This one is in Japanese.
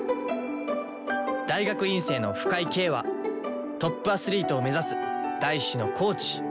大学院生の深井京はトップアスリートを目指す大志のコーチ。